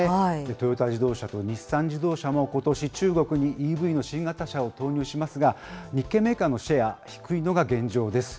トヨタ自動車と日産自動車も、ことし、中国にＥＶの新型車を投入しますが、日系メーカーのシェア、低いのが現状です。